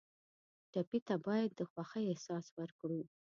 ټپي ته باید د خوښۍ احساس ورکړو.